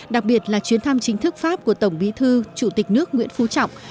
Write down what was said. đặc biệt là chuyến thăm chính thức pháp của tổng bí thư chủ tịch nước nguyễn phú trọng